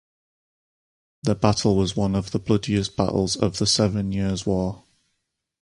The battle was one of the bloodiest battles of the Seven Years' War.